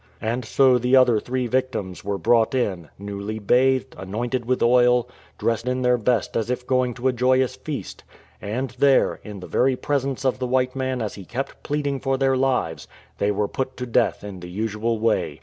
And so the other three victims were brought in — newly bathed, anointed with oil, dressed in their best as if going to a joyous feast. And there, in the very presence of the white man as he kept pleading for their lives, they were put to death in the usual way.